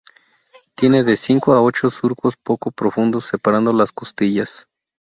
Tiene de cinco a ocho surcos poco profundos separando las costillas.